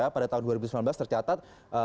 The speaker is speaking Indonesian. pada tahun dua ribu sembilan belas tercatat